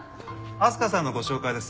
明日花さんのご紹介です。